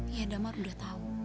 iya damar udah tau